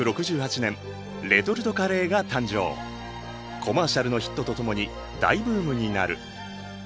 コマーシャルのヒットとともに大ブームになる。